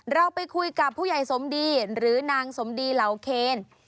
เราไปคุยกับผู้ใหญ่สมดีหรือนางสมดีเหล่าเคน